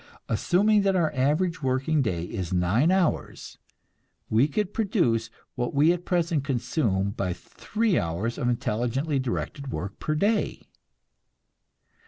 Assuming that our average working day is nine hours, we could produce what we at present consume by three hours of intelligently directed work per day.